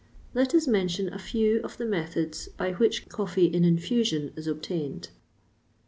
Let us mention a few of the methods by which coffee in infusion is obtained.